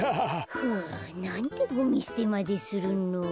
ふうなんでゴミすてまでするの。